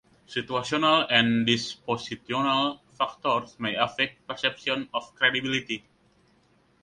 Situational and dispositional factors may affect perceptions of credibility.